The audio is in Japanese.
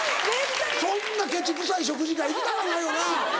そんなケチくさい食事会行きたかないよな！